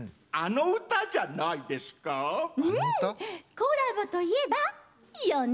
コラボといえばよね。